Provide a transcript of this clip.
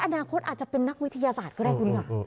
อนาคตอาจจะเป็นนักวิทยาศาสตร์ก็ได้คุณค่ะ